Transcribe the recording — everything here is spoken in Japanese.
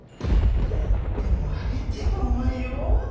焼いても揚げてもうまいよ！